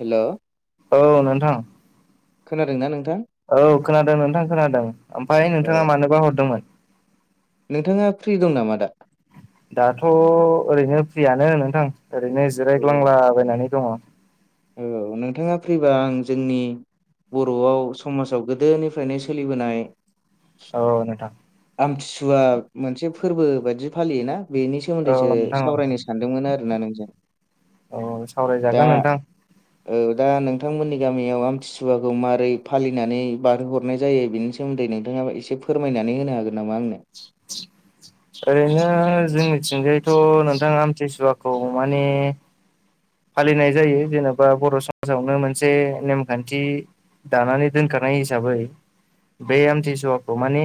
हेल' औ नोंथां खोनादोंना नोंथां औ खोनादों नोंथां खोनादों ओमफ्राय औ नोंथाङा मानोबा हरदोंमोन। नोंथाङा फ्रि दं नामा दा? दाथ' ओरैनो फ्रियानो नोंथां ओरैनो औ जिरायग्लांलाबायनानै दङ। औ नोंथाङा फैबा आं जोंनि। बर'आव समाजाव गोदोनिफ्रायनो सोलिबोनाय औ नोंथां आमथिसुवा मोनसे फोरबो बायदि फालियोना बेनि औ सोमोन्दैसो नोंथां औ सावरायनो सानदोंमोन आरोना नोंजों औ दा। सावरायजागोन नोंथां औ दा नोंथांमोननि गामियाव आमथिसुवाखौ माबोरै फालिनानै बारहोहरनाय जायो बेनि सो सोमोन्दै नोंथाङाबो एसे फोरमायनानै होनो हागोन नामा आंनो। [inaudible] ओरैनो जोंनिथिंजायथ' नोंथाङा आमथिसुवाखौ माने। फालिनाय जायो जेन'बा बर' समाजावनो मोनसे नेमखान्थि दानानै दोनखानाय हिसाबै बे आमथिसुवाखौ माने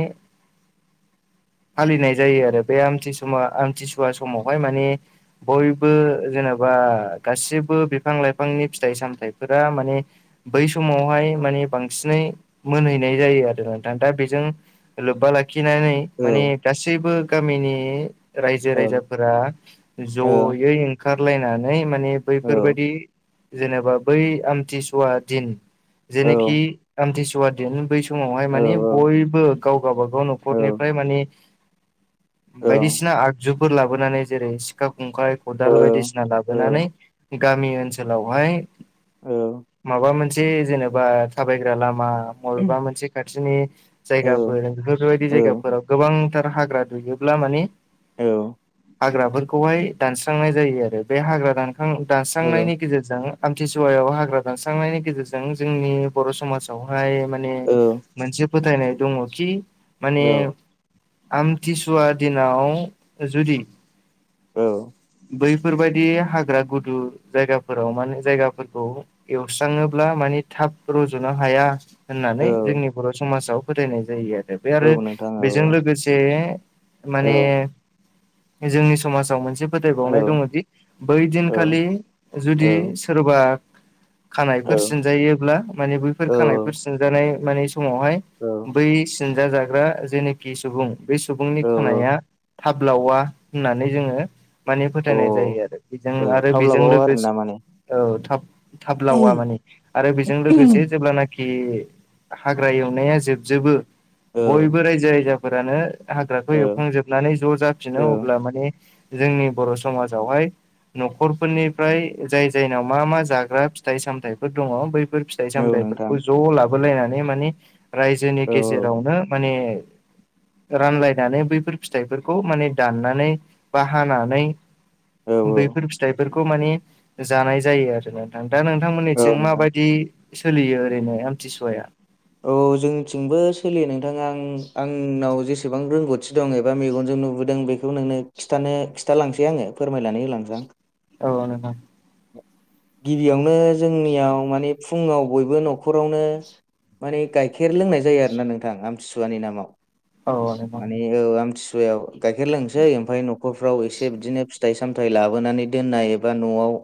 फालिनाय जायो आरो बे आमथिसुवा आमथिसुवा समावहाय माने बयबो जेनेबा गासिबो बिफां लाइफांनि फिथाइ सामथाइफोरा माने बै समावहाय माने बांसिनै मोनहैनाय जायो आरो नोंथां दा बेजों लोब्बा लाखिनानै औ माने गासैबो गामिनि रायजो औ राजाफोरा औ जयै ओंखारलायनानै माने औ बैफोरबायाददि जेनेबा बै आमथिसुवा दिन जेनोखि आमथिसुवा दिन बै समावहाय माने औ बयबो गाव गावबागाव न'खरनिफ्राय माने [inaudible] बायदिसिना आगजुफोर लाबोनानै जेरै सिखा खंखाइ खदाल बायदिसिना औ औ लाबोनानै गामि ओनसोलावहाय औ माबा मोनसे जेनेबा थाबायग्रा लामा मबेबा मोनसे खाथिनि औ जायगाफोर बेफोरबायदि औ जायगाफोराव गोबांथार हाग्रा दुयोब्ला मानि औ हाग्राफोरखौहाय दानस्रांनाय जायो आरो बे हाग्रा दान दानस्रांनायनि औ गेजेरजों आमथिसुवायाव हाग्रा दानस्रांनायनि गेजेरजों जोंनि बर' समाजावहाय माने औ मोनसे फोथायनाय दङ कि माने औ आमथिसुवा दिनाव जुदि औ बैफोरबायदि हाग्रा गुदु जायगाफोराव माने जायगाफोरखौ एवस्राङोब्ला माने थाब रुजुनो हाया। होननानै जोंनि बर' समाजाव फोथायनाय जायो आरो बे आरो बेजों लोगोसे माने जोंनि समाजाव मोनसे फोथायबावनाय दङदि बै दिनखालि जुदि सोरबा खानायफोर सिनजायोब्ला माने बैफोर खानायफोर सिनजानाय माने समावहाय बै सिनजा जाग्रा जेनाखि सुबुं बे सुबुंनि खानाया थाब लावा होननानै जोङो माने औ फोथायनाय जायो आरो बेजों औ आरो थाब बेजों लाबावो आरोना लोगोसे माने औ थाब थाब लावा माने आरो बेजों लोगोसे जेब्लानाखि कि हाग्रा एवनाया जोबजोबो औ बयबो रायजो राजाफोरानो हाग्राखौ औ एवखांजोबनानै ज' जाफिनो अब्ला माने जोंनि बर' समाजावहाय न'खरफोरनिफ्राय जाय जायनाव मा मा जाग्रा फिथाइ सामथाइफोर दङ बैफोर फिथाइ औ नोंथां सामथाइफोरखौ ज' लाबोलायनानै माने रायजोनि औ गेजेरावनो माने रानलायनानै बैफोर फिथाइफोरखौ माने दाननानै बा हानानै औ बैफोर फिथाइफोरखौ माने जानाय जायो आरो नोंथां दा औ नोंथांमोननिथिं नोंथां माबायदि सोलियो ओरैनो आमथिसुवाया औ जोंथिंबो सोलियो नोंथाङा आं आंनाव जेसेबां रोंगौथि दं एबा मेगनजों नुबोदों बेखौ बेखौ नोंनो खिथानो खिथालांसै आङो फोरमायनानै होलांसै आं औ नोंथां गिबियावनो जोंनियाव माने फुङाव बयबो न'खरावनो माने गाइखेर लोंनाय जायो आरोना नोंथां आमथिसुवानि नामाव औ नोंथां माने औ आमथि सुवायाव गाइखेर लोंनोसै ओमफ्राय न'खरफ्राव एसे बिदिनो फिथाइ सामथाइ लाबोनानै दोननाय एबा न'आव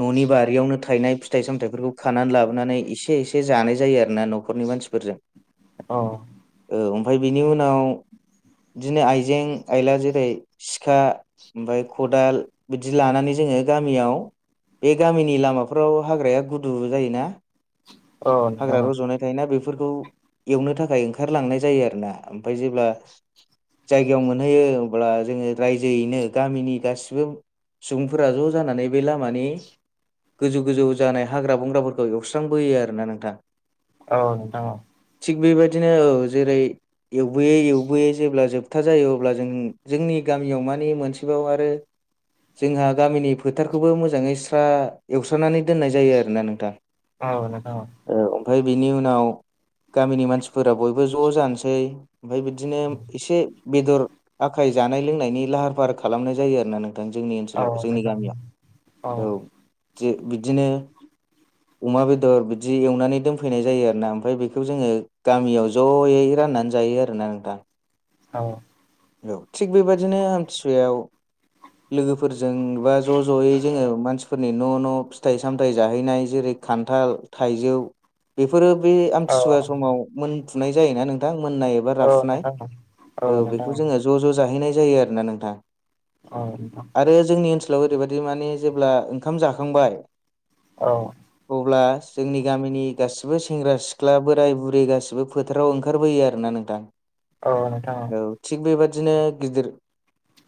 न'नि बारियावनो थायनाय फिथाइ सामथाइफोरखौ खानानै लाबोनानै एसे एसे जानाय जायो आरोना न'खरनि मानसिफोरजों [inaudible] अ औ ओमफ्राय बिनि उनाव बिदिनो आइजें आइला जेरै सिखा ओमफ्राय खदाल बिदि लानानै जोङो गामियाव बे गामिनि लामाफोराव हाग्राया गुदु जायोना औ नोंथां हाग्रा औ रज'नाय या बेफोरखौ एवनो थाखाय ओंखारलांनाय जायो आरो ना ओमफ्राय जेब्ला जायगायाव मोनहैयो हब्ला जोङो रायजोयैनो गामिनि गासिबो सुबुंफोरा ज' जानानै बे लामा मानि गोजौ गोजौ जानाय हाग्रा बंग्राफोरखौ एवस्रांबोयो आरो ना नोंथां औ नोंथां औ थिग बेबायदिनो औ जेरै एवबोयै एवबोयै जेब्ला जोबथा जायो अब्ला जों जोंनि गामियाव मानि मोनसेबाव आरो जोंहा गामिनि फोथारखौबो मोजाङै स्रा एवस्रानानै दोननाय जायो आरोना नोंथां औ नोंथां औ औ ओमफ्राय बिनि उनाव गामिनि मानसिफोरा बयबो ज' जानोसै ओमफ्राय बिदिनो एसे बेदर आखाय जानाय लोंनायनि लाहार फाहार खालामनाय जायो आरोना नों जोंनि औ ओनसोलाव जोंनि नोंथां गामियाव औ जे बिदिनो अमा बेदर बिदि एवनानै दोनफैनाय जायो आरोना ओमफ्राय बेखौ जोङो गामियाव जयै राननानै जायो आरो ना नोंथां औ औ थिग बेबादिनो आमथिसुवायाव लोगोफोरजों बा ज' ज'यै जोङो मानसिफोरनि न' न' फिथाइ सामथाइ जाहैनाय जेरै खान्थाल थाइजौ बेफोरो बे औ आमथिसुवा समाव मोनफुनाय जायोना नोंथां मोननाय एबा औ राफुनाय नोंथां औ बेखौ जोङो ज' ज' जाहैनाय जायो आरोना नोंथां औ नोंथां आरो जोंनि ओनसोलाव ओरैबायदि माने जेब्ला ओंखाम जाखांबाय औ अब्ला जोंनि गामिनि गासिबो सेंग्रा सिख्ला बोराय बुरै गासिबो फोथाराव ओंखारबोयो आरोना नोंथां औ नोंथां औ थिग बेबादिनो गिदिर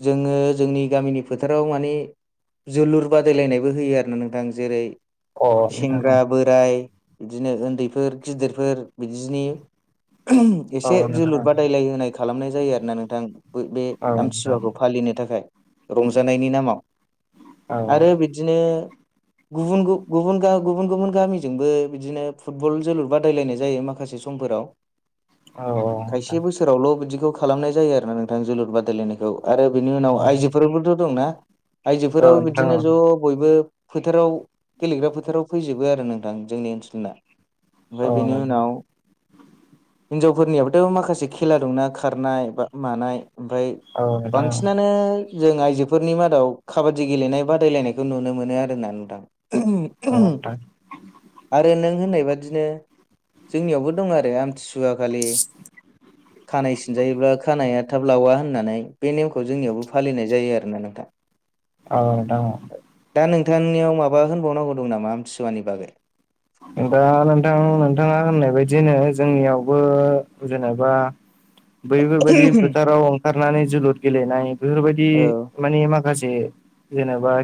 जोङो जोंनि गामिनि फोथाराव मानि जोलुर बादायलायनायबो होयो आरो ना नोंथां जेरै औ अ नोंथां औ सेंग्रा बो- राय बिदिनो उन्दैफोर गिदिरफोर बिदिनि औ एसे नोंथां जोलुर बादायलाय होनाय खालामनाय जायो आरो ना नोंथां बे औ नोंथां औ आमथिसुवाखौ फालिनो थाखाय रंजानायनि नामाव आरो बिदिनो गुब गुबुन गुबुन गुबुन गामिजोंबो बिदिनो फुटबल जोलुर बादायलायनाय जायो मा- माखासे समफोराव औ औ नोंथां फोरावल' बिदिखौ खालामनाय जायो आरोना नोंथां जोलुर बादायलायनायखौ आरो बिनि उनाव आइजो फोराबोथ' दंना आइजोफोराबो नोंथां औ नोंथां बिदिनो ज' बयबो फोथाराव गेलेग्रा फोथाराव फैजोबो आरो नोंथां जोंनि ओनसोलना ओमफ्राय बेनि उनाव हिनजावफोरनियाबोथ' माखासे खेला दंना खारनाय बा मानाय ओमफ्राय बांसिनानो जों आइजोफोरनि मादाव खाबादि गेलेनाय बादायलायनायखौ नुनो मोनो आरोना नोंथां आरो नों होननाय बादिनो जोंनियावबो दं आरो आमथिसु- वा खालि खानाय सिनजायोब्ला खानाया थाब लावा होननानै बे नेमखौ जोंनियावबो फालिनाय जायो आरोना नोंथां औ दङ' दा नोंथांनियाव माबा होनबावनांगौ दं नामा आमथिसुवानि बागै दा नोंथां नोंथाङा होननाय बायदिनो जोंनियावबो जेनेबा [inaudible] बैफोरबायदि फोथाराव खारनानै जोलुर गेलेनाय बेफोरबायदि औ मानि माखासे जेनेबा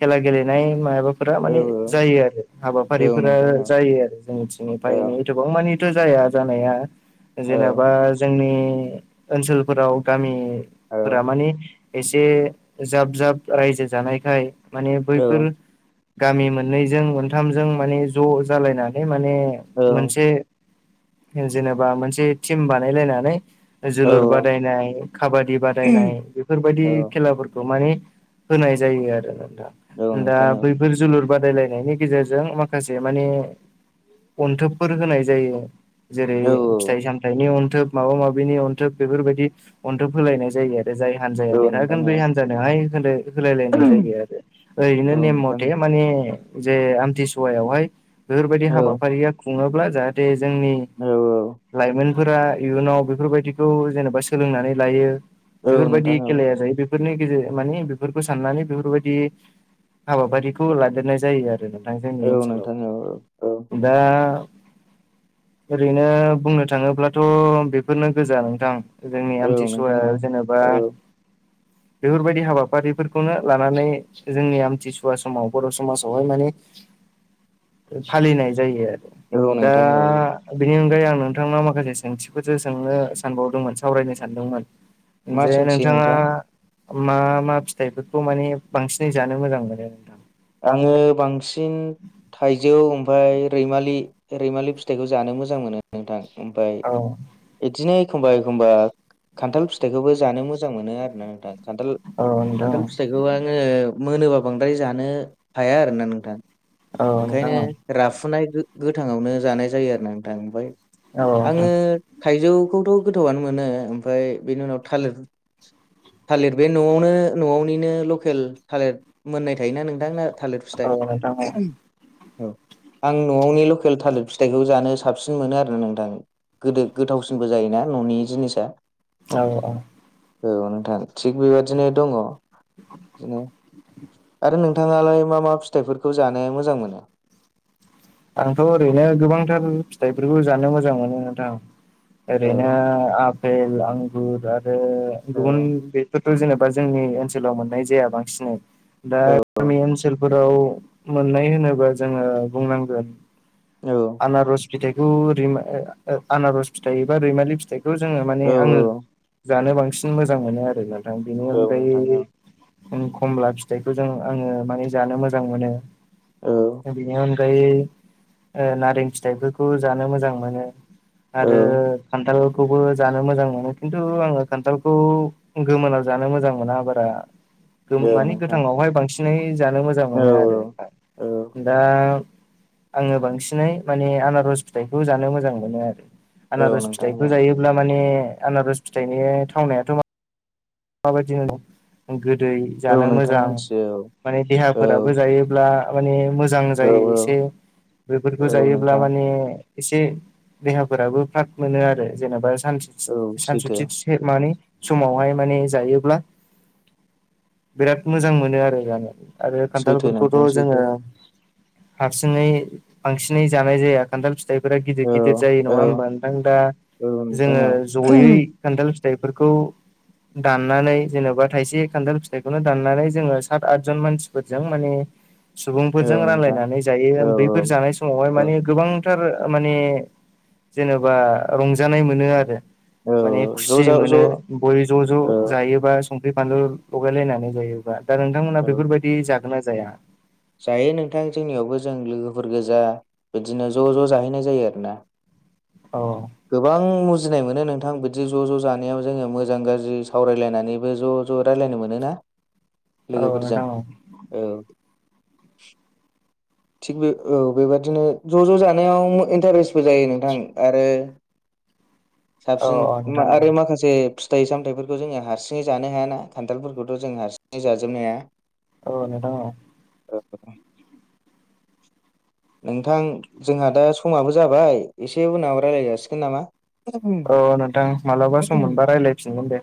खेला गेलेनाय माबाफोरा औ मानि जायो आरो औ फोरा नोंथां औ जायो आरो जोंनिथिंनिबो एफा एनै एथबां मानिथ' जाया जानाया औ जेनेबा जोंनि ओनसोलफोराव औ गामिफोरा मानि एसे जाब जाब रायजो जानायखाय माने बैफोर गामि मोननैजों मोनथामजों माने ज' जालायनानै माने औ मोनसे जेनेबा मोनसे टिम बानायलायनानै औ जोलुर बादायनाय काबादि बादायनाय बेफोरबायदि औ खेलाफोरखौ माने होनाय जायो आरो नोंथां औ दा नोंथां औ बै फोर जोलुर बादायलायनायनि गेजेरजों माखासे माखासे माने अन्थोबफोर होनाय जायो जेरै औ फिथाइ सामथाय थाइनि अनथोब माबा माबिनि अनथोब बेफोरबायदि अनथोब होलायनाय जायो आरो जाय हानजाया औ औ नोंथां देरहागोन औ बै हानजानोहाय होनो होलायलायनाय जायो आरो ओरैनो औ नेम नोंथां मथे माने जे आमथिसुवायावहाय बेफोरबायदि औ हाबाफारिया खुङोब्ला जाहाथे जे जोंनि औ लाइमोन फोरा इयुनाव बेफोरबायदिखौ जेनेबा सोलोंनानै लायो औ बेफोरबायदि नोंथां औ खेलाया जायो बे बेफोरनि गेजेर मानि बेफोरखौ साननानै बेफोरबायदि हाबाफारिखौ लादेरनाय जायो आरो नोंथां जोंनि औ ओनसोलाव नोंथां औ औ दा ओरैनो बुंनो थाङोब्लाथ' बेफोरनो गोजा नोंथां जोंनि औ नोंथां आमथिसुवाया औ जेनेबा बेफोरबायदि हाबाफारिफोरखौनो लानानै जोंनि आमथिसुवा समाव बर' समाजावहाय माने फालिनाय जायो औ आरो दा नोंथां औ औ बेनि अनगायै आं नोंथांनाव माखासे सोंथिखौसो सोंनो सानबावदोंमोन सावरायनो सानदोंमोन। मा जे सोंथि नोंथाङा नोंथां मा मा फिथाइफोरखौ माने बांसिनै जानो मोजां मोनो नोंथां? आङो बांसिन थाइजौ थौ ओमफ्राय रैमालि रैमालि फिथाइखौ जानो मोजां मोनो नोंथां ओमफ्राय औ बिदिनो एखमबा एखमबा खान्थाल फिथाइखौबो जानो मोजां मोनो आरोना नोंथां खान्थाल औ नोंथां खान्थाल फिथाइखौ आङो मोनोबा बांद्राय जानो हाया आरोना नोंथाङां औ नोंथां ओंखायनो राफुनाय गो-गोथाङावनो जानाय जायो आरो ना नोंथां ओमफ्राय औ आङो नोंथां थाइजौखौथ' गोथावनो मोनो ओमफ्राय बेनि उनाव थालिर थालिर बे न'आवनो न'आवनिनो लकेल थालिर मोननाय थायोना नों नोंथांना थालिर औ नोंथां औ फिथाइ औ आं न'आवनि लकेल थालिर फिथाइखौ जानो साबसिन मोनो आरोना नोंथां। गोदो गोथावसिनबो जायोना न'नि जिनिसा औ औ औ नोंथां थिग बेबादिनो दङ बिदिनो आरो नों नोंथाङालाय मा मा फिथाइफोरखौ जानो मोजां मोनो आंथ' ओरैनो गोबांथार फिथाइफोरखौ जानो मोजां मोनो नोंथां। औ ओरैनो आपेल आंगुर आरो औ गुबुन बेफोर जेनेबा जोंनि ओनसोलाव मोननाय जाया बांसिनै दा औ गामि ओनसोलफोर आव मोननाय होनोबा जों बुंनांगोन आनारस फिथाइखौ रै आनारस फिथाइ एबा रैमालि फिथाइ थ' जोङो माने औ आङो जानो बांसिन मोजां मोनो आरो नोंथां बेनि औ औ नोंथां औ अनगायै खम खमला फिथाइखौ जों आङो माने जानो मोजां मोनो। औ बेनि अनगायै ओ नारें फिथाइफोरखौ जानो मोजां मोनो। औ आरो खान्थालखौबो जानो मोजां मोनो खिन्थु आङो खान्थालखौ गोमोनाव जानो मोजां मोना बारा। औ मानि नोंथां गोथाङावहाय बांसिनै जानो मोजां औ मोनो औ आरो औ दा आङो बांसिनै माने आनारस फिथाइखौ जानो मोजां मोनो आरो औ आनारस नोंथां फिथाइखौ औ जायोब्ला माने आनारस फिथाइनि थावनायाथ' माबायदिनो गोदै औ जानो नोंथां मोजां मोनथियो माने औ देहाफोराबो जायोब्ला। माने मोजां औ जायो एसे औ बेफोरखौ जायोब्ला नोंथां माने एसे देहाफोराबो फ्राग मोनो आरो जेनेबा औ सैथो सान-सानसुथि। माने समावहाय माने जायोब्ला बिराद मोजां मोनो आरो जानो आरो सैथो खान्थालफोरखौथ' नोंथां जोङो सैथो हारसिङै बांसिनै जानाय जाया। खान्थाल फिथाइफोरा गिदिर औ गिदिर जायो औ नङा होमबा नोंथां दा औ नोंथां जोङो जयै। औ खान्थाल फिथाइफोरखौ दाननानै जेन'बा थायसे खान्थाल फिथाइखौनो दाननानै जोङो सात आतजन मानसिफोरजों माने। औ सुबुंफोरजों नोंथां रानलायनानै जायो औ औ बैफोर जानाय समावहाय औ माने गोबांथार माने। जेनेबा रंजानाय मोनो आरो औ माने ज' खुसि ज' ज' मोनो बयबो ज' औ ज' जायोबा। संख्रि फानलु लगाय लायनानै जायो दा नोंथांमोना औ बेफोर बायदि जागोन ना जाया? जायो नोंथां जोंनियावबो जों लोगोफोर गोजा बिदिनो ज' ज' जाहैनाय जायो आरोना औ। गोबां मुजिनाय मोनो नोंथां बिदि ज' ज' जानायाव जोङो मोजां गाज्रि सावरायलायनानैबो ज'। ज' रायलायनो मोन ना औ लोगोफोरजों नोंथां औ औ। थिग बे औ बेबादिनो ज' ज' जानायाव इन्टारेस्टबो जायो नोंथां आरो औ औ साबसिन नोंथां औ आरो माखासे जे फिथाइ सामथाइफोरखौ जोङो हारसिङै जानो हायाना खान्थालफोरखौथ' जों हारसिङै जाजोबनो हाया। औ नोंथां औ औ नोंथां जोंहा दा समाबो जाबाय एसे उनाव रायज्लायजासिगोन नामा। औ नोंथां मालाबा सम मोनबा रायलायफिनगोन दे।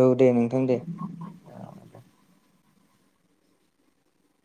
औ दे नोंथां दे।